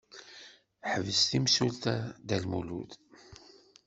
Teḥbes temsulta Dda Lmulud.